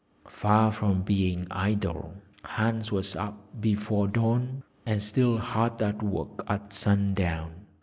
Far from being idle, Hans was up before dawn, and still hard at work at sundown.